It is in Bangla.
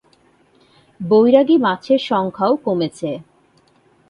বৈরাগী মাছের সংখ্যাও কমেছে।